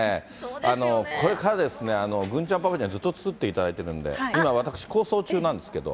これから郡ちゃんパパにはずっと作っていただいてるんで、今、私、構想中なんですけど。